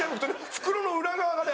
袋の裏側がね